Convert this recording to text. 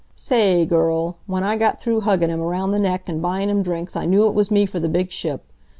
"Sa a a ay, girl, w'en I got through huggin' him around the neck an' buyin' him drinks I knew it was me for the big ship.